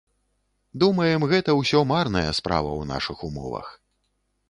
Думаем, гэта ўсё марная справа ў нашых умовах.